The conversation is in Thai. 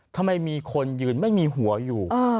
ทำไมมีคนยืนไม่มีหัวอยู่